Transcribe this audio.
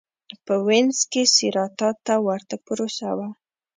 په وینز کې سېراتا ته ورته پروسه وه.